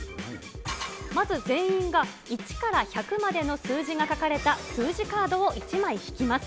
まず全員が１から１００までの数字が書かれた数字カードを１枚引きます。